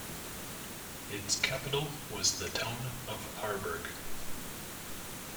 Its capital was the town of Aarberg.